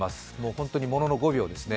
本当に、ものの５秒ですね。